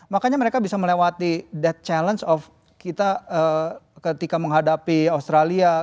makanya mereka bisa melewati that challenge of kita ketika menghadapi australia